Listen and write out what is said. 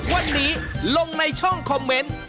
วันนี้ลงในช่องคอมเมนต์